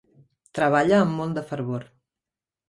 Treballa amb molt de fervor.